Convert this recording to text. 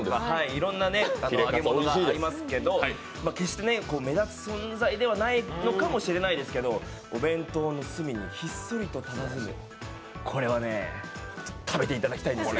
いろいろな揚げ物がありますけども、決して目立つ存在ではないのかもしれないですけどお弁当の隅にひっそりとたたずむ、これは食べてもらいたいです。